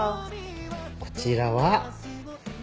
こちらは。